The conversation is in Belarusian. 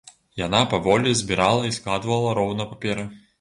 Яна паволі збірала і складвала роўна паперы.